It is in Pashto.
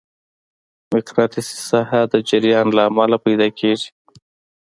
مقناطیسي ساحه د جریان له امله پیدا کېږي.